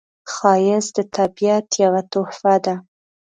ښایست د طبیعت یوه تحفه ده